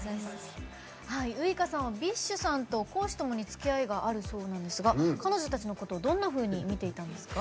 ウイカさんはＢｉＳＨさんと公私ともにつきあいがあるそうなんですが彼女たちのことをどんなふうに見ていたんですか？